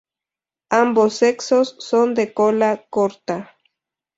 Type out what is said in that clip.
Ambos sexos son de cola corta.